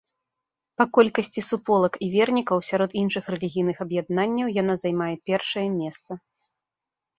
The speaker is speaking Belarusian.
Па колькасці суполак і вернікаў сярод іншых рэлігійных аб'яднанняў яна займае першае месца.